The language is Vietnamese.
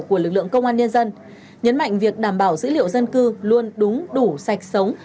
của lực lượng công an nhân dân nhấn mạnh việc đảm bảo dữ liệu dân cư luôn đúng đủ sạch sống